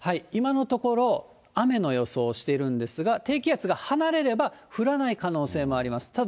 今のところ、雨の予想をしてるんですが、低気圧が離れれば、降らない可能性もあります。